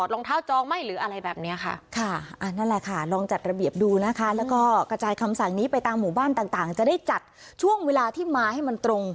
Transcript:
แล้วกระจายคำสั่งนี้ไปตามหมู่บ้านต่างจะได้จัดช่วงเวลาที่มาให้มันตรง